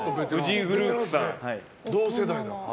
同世代だ。